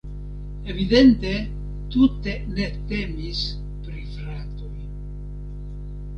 Evidente tute ne temis pri fratoj.